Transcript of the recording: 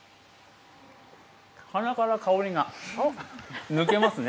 花から香りが抜けますね。